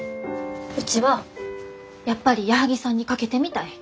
うちはやっぱり矢作さんに賭けてみたい。